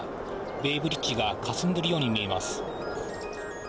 ベイブリッジがかすんでいるように見えます。